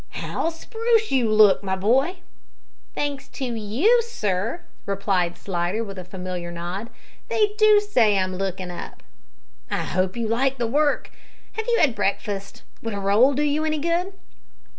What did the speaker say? "How spruce you look, my boy!" "Thanks to you, sir," replied Slidder, with a familiar nod; "they do say I'm lookin' up." "I hope you like the work. Have you had breakfast? Would a roll do you any good?"